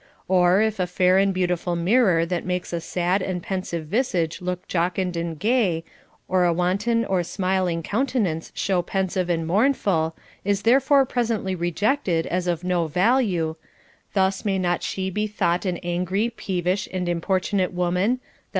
Or, if a fair and beautiful mirror that makes a sad and pensive visage look jocund and gay, or a wanton or smil ing countenance show pensive and mournful, is therefore presently rejected as of no value ; thus may not she be thought an angry, peevish, and importunate woman, that CONJUGAL PRECEPTS.